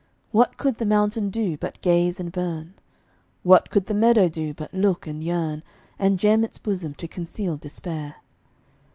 What could the mountain do but gaze and burn? What could the meadow do but look and yearn, And gem its bosom to conceal despair?